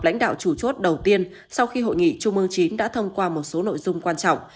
lãnh đạo chủ chốt đầu tiên sau khi hội nghị trung ương chín đã thông qua một số nội dung quan trọng